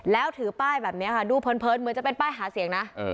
แล้วถือป้ายแบบนี้ค่ะดูเพลินเหมือนจะเป็นป้ายหาเสียงนะ